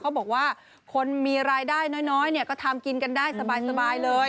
บอกว่าคนมีรายได้น้อยก็ทำกินกันได้สบายเลย